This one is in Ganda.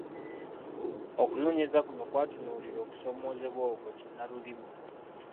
Okunoonyereza kuno kwatunuulira okusoomoozebwa okwo kinnalulimi.